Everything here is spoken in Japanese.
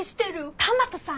玉田さん